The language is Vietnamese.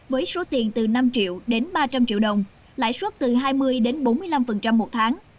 với số tiền từ năm triệu đến ba trăm linh triệu đồng lãi suất từ hai mươi đến bốn mươi năm một tháng